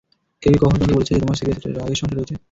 কেউ কি কখনও তোমাকে বলেছে যে তোমার সিরিয়াস রাগের সমস্যা রয়েছে?